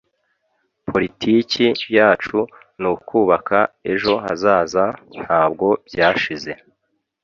politiki yacu nukubaka ejo hazaza, ntabwo byashize